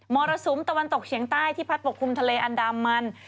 รสุมตะวันตกเฉียงใต้ที่พัดปกคลุมทะเลอันดามัน